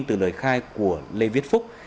từ lời khai của lê viết phúc